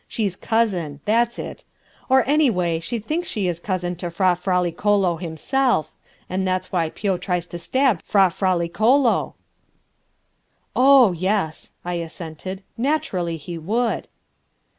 She's cousin, that's it; or, anyway, she thinks she is cousin to Fra Fraliccolo himself, and that's why Pio tries to stab Fra Fraliccolo." "Oh, yes," I assented, "naturally he would."